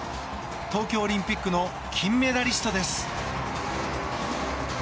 東京オリンピックの金メダリストです。